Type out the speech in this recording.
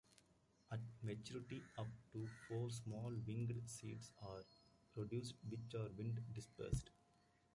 At maturity up to four small winged seeds are produced which are wind dispersed.